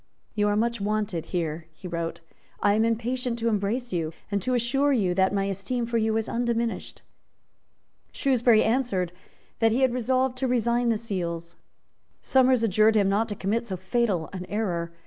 "You are much wanted here," he wrote: "I am impatient to embrace you, and to assure you that my esteem for you is undiminished." Shrewsbury answered that he had resolved to resign the seals. Somers adjured him not to commit so fatal an error.